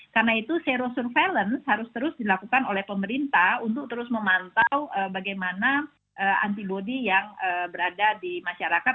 karena itu serosurveillance harus terus dilakukan oleh pemerintah untuk terus memantau bagaimana antibodi yang berada di masyarakat